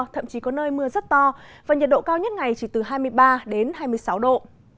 thậm chí có nơi mưa rất to và nhiệt độ cao nhất ngày chỉ từ hai mươi ba đến hai mươi sáu độ